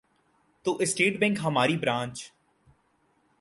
تو state bank ہماری branch